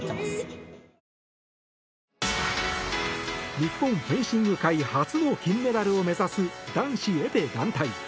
日本フェンシング界初の金メダルを目指す男子エペ団体。